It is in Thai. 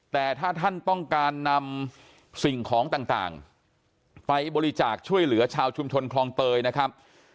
แต่ถ้าท่านต้องการนำสิ่งของต่างไปบริจาคช่วยเหลือชาวชุมชนคลองเตยนะครับ